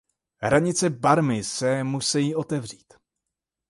Hranice Barmy se musejí otevřít.